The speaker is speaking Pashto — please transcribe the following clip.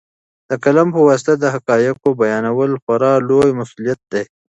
د قلم په واسطه د حقایقو بیانول خورا لوی مسوولیت دی.